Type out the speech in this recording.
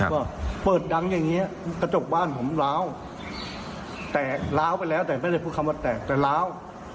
ก็เปิดดังอย่างเงี้ยกระจกบ้านผมล้าวแตกล้าวไปแล้วแต่ไม่ได้พูดคำว่าแตกแต่ล้าว